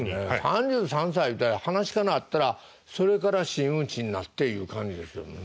３３歳いうたら噺家なったらそれから真打ちになっていう感じですよね。